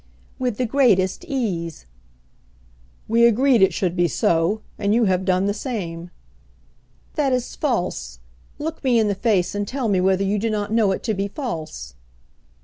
"With the greatest ease." "We agreed it should be so; and you have done the same." "That is false. Look me in the face and tell me whether you do not know it to be false!"